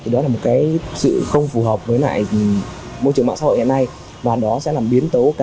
đó là một sự không phù hợp với lại